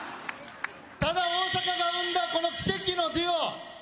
ただ大阪が生んだこの奇跡のデュオ